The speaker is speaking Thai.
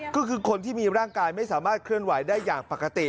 ก็คือคนที่มีร่างกายไม่สามารถเคลื่อนไหวได้อย่างปกติ